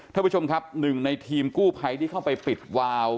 ท่านผู้ชมครับหนึ่งในทีมกู้ภัยที่เข้าไปปิดวาว